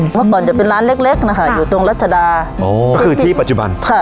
เพราะก่อนจะเป็นร้านเล็กเล็กนะคะอยู่ตรงรัชดาอ๋อก็คือที่ปัจจุบันค่ะ